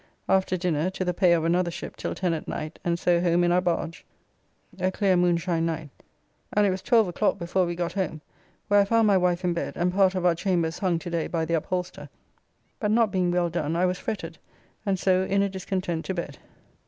After dinner to the pay of another ship till 10 at night, and so home in our barge, a clear moonshine night, and it was 12 o'clock before we got home, where I found my wife in bed, and part of our chambers hung to day by the upholster, but not being well done I was fretted, and so in a discontent to bed.